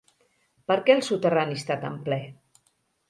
Per què el soterrani està tan ple?